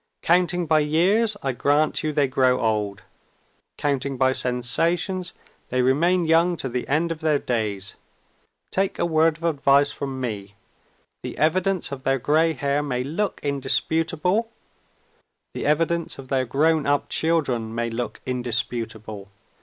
Counting by years, I grant you they grow old. Counting by sensations, they remain young to the end of their days. Take a word of advice from me. The evidence of their gray hair may look indisputable; the evidence of their grown up children may look indisputable.